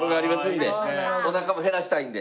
おなかも減らしたいんで。